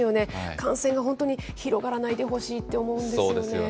感染が本当に広がらないでほしいって思うんですよね。